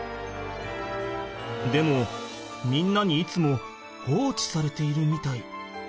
でもみんなにいつも放置されているみたい。